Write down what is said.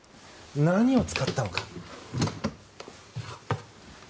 何を使ったのか。